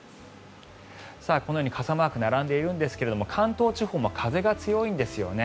このように傘マークが並んでいるんですが関東地方も風が強いんですよね。